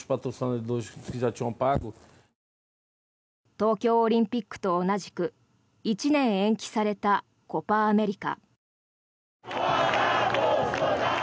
東京オリンピックと同じく１年延期されたコパ・アメリカ。